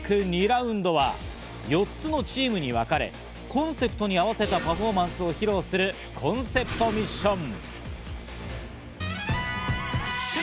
２ラウンドは、４つのチームにわかれ、コンセプトに合わせたパフォーマンスを披露するコンセプトミッション。